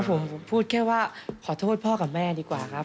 ผมพูดแค่ว่าขอโทษพ่อกับแม่ดีกว่าครับ